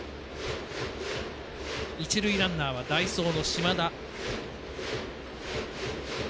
一塁ランナーは代走の島田。